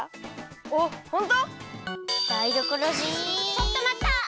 ちょっとまった！